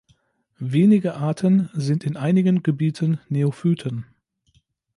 Wenige Arten sind in einigen Gebieten Neophyten.